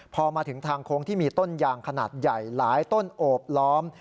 พอมาถึงทางโค้งที่มีต้นยางขนาดใหญ่หลายต้นโอบล้อม